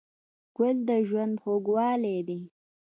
ګل د ژوند خوږوالی دی.